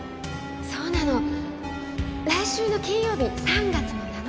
そうなの来週の金曜日３月の７日。